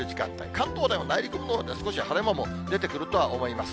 関東では内陸部のほうで、少し晴れ間も出てくるとは思います。